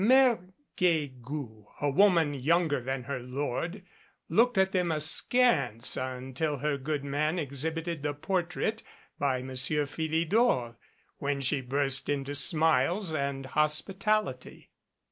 Mere Guegou, a woman younger than her lord, looked at them askance until her good man exhibited the portrait by Monsieur Philidor, when she burst into smiles and hospitality.